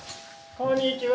こんにちは。